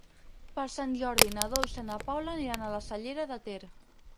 Per Sant Jordi na Dolça i na Paula aniran a la Cellera de Ter.